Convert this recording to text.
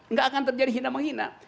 nggak akan terjadi hina menghina